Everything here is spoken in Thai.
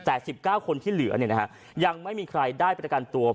แต่สิบเก้าคนที่เหลือเนี่ยนะฮะยังไม่มีใครได้เป็นการตัว